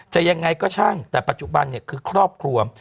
ยังไงก็ช่างแต่ปัจจุบันเนี่ยคือครอบครัว